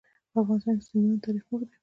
په افغانستان کې د سیندونه تاریخ اوږد دی.